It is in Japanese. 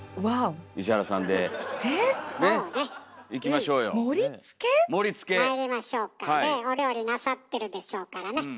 まいりましょうかねお料理なさってるでしょうからね。